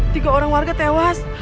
tiga orang warga tewas